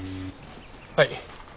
はい。